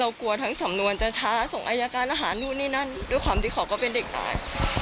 กลัวทั้งสำนวนจะช้าส่งอายการอาหารนู่นนี่นั่นด้วยความที่เขาก็เป็นเด็กตาย